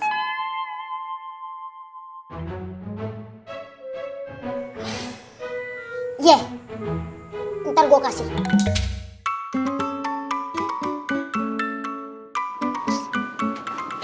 ye ntar gue kasih